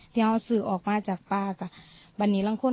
ที่ฮะสื่อออกมาจากป้าก็